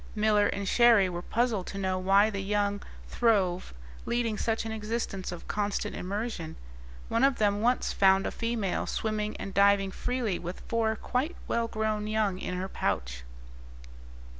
Miller and Cherrie were puzzled to know why the young throve, leading such an existence of constant immersion; one of them once found a female swimming and diving freely with four quite well grown young in her pouch.